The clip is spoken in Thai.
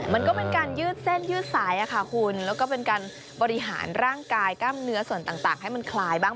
มันก็เป็นการยืดเส้นยืดสายค่ะคุณแล้วก็เป็นการบริหารร่างกายกล้ามเนื้อส่วนต่างให้มันคลายบ้าง